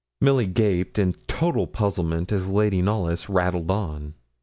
Milly gaped in a total puzzle as Lady Knollys rattled on.